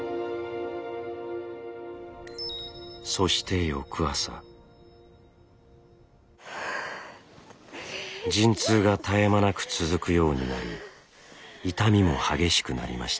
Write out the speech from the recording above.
そして陣痛が絶え間なく続くようになり痛みも激しくなりました。